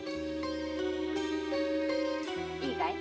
いいかい？